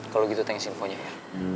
kalau gitu tengs infonya ya